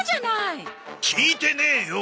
聞いてねえよ！